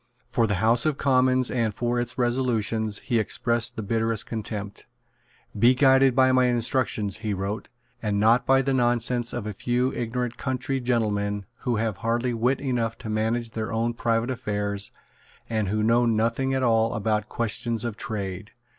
For the House of Commons and for its resolutions he expressed the bitterest contempt. "Be guided by my instructions," he wrote, "and not by the nonsense of a few ignorant country gentlemen who have hardly wit enough to manage their own private affairs, and who know nothing at all about questions of trade."